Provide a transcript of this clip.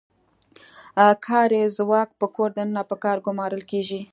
کاري ځواک په کور دننه په کار ګومارل کیږي.